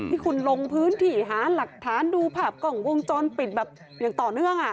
ที่คุณลงพื้นที่หาหลักฐานดูภาพกล้องวงจรปิดแบบอย่างต่อเนื่อง